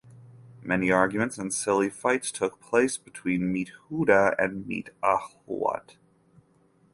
Many arguments and silly fights took place between Meet Hooda and Meet Ahlawat.